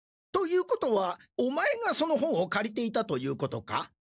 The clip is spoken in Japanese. ということはオマエがその本をかりていたということか？